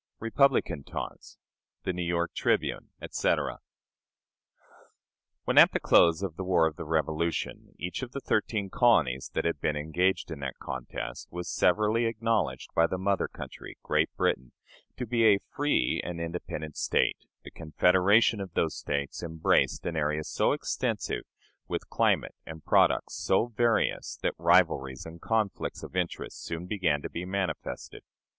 Republican Taunts. The "New York Tribune," etc. When, at the close of the war of the Revolution, each of the thirteen colonies that had been engaged in that contest was severally acknowledged by the mother country, Great Britain, to be a free and independent State, the confederation of those States embraced an area so extensive, with climate and products so various, that rivalries and conflicts of interest soon began to be manifested.